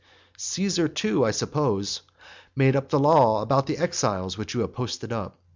Caesar too, I suppose, made the law about the exiles which you have posted up.